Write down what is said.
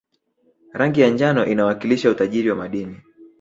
rangi ya njano inawakilisha utajiri wa madini